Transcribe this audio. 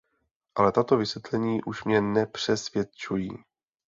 Ale tato vysvětlení už mě nepřesvědčují.